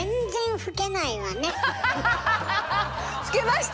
老けました！